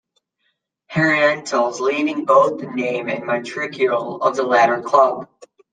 Herentals leaving both name and matricule of the latter club.